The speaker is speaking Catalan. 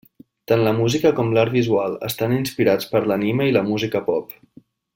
Tant la música com l'art visual estan inspirats per l'anime i la música pop.